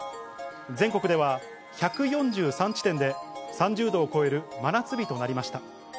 全国では１４３地点で、３０度を超える真夏日となりました。